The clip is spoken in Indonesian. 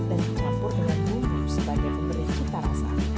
dan dicampur dengan buah buahan sebagai pemberi cinta rasa